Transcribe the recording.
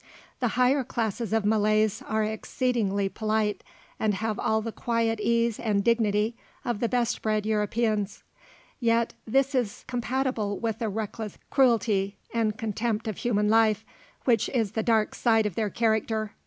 The higher classes of Malays are exceedingly polite, and have all the quiet ease and dignity of the best bred Europeans. Yet this is compatible with a reckless cruelty and contempt of human life, which is the dark side of their character.